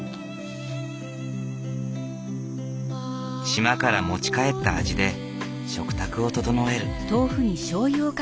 島から持ち帰った味で食卓を整える。